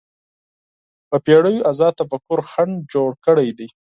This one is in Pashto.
په پېړیو ازاد تفکر خنډ جوړ کړی دی